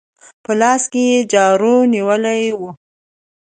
په لاس کې يې جارو نيولې وه.